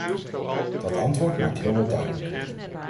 Dat antwoord maakt heel wat duidelijk.